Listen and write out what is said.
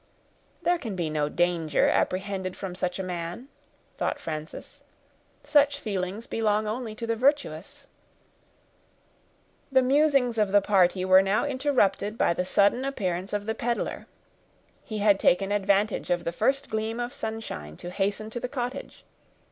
There can be no danger apprehended from such a man, thought Frances; such feelings belong only to the virtuous. The musings of the party were now interrupted by the sudden appearance of the peddler. He had taken advantage of the first gleam of sunshine to hasten to the cottage.